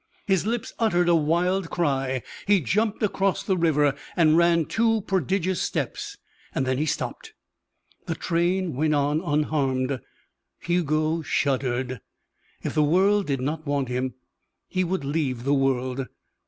His lips uttered a wild cry; he jumped across the river and ran two prodigious steps. Then he stopped. The train went on unharmed. Hugo shuddered. If the world did not want him, he would leave the world.